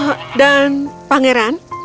oh dan pangeran